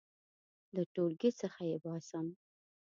• له ټولګي څخه یې باسم.